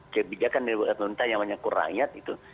kebijakan yang dibuat oleh pemerintah yang menyanku rakyat itu